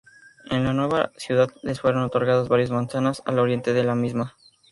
En la nueva ciudad, les fueron otorgadas varias manzanas al oriente de la misma.